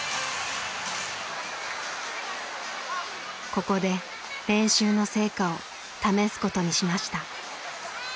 ここで練習の成果を試すことにしました。